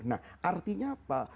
nah artinya apa